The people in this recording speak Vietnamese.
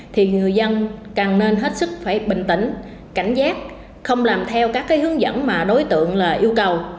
thì người dân càng nên hết sức phải bình tĩnh cảnh giác không làm theo các hướng dẫn mà đối tượng yêu cầu